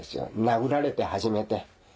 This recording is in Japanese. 殴られて初めて。